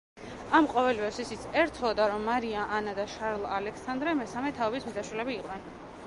ამ ყოველივეს ისიც ერთვოდა, რომ მარია ანა და შარლ ალექსანდრე მესამე თაობის ბიძაშვილები იყვნენ.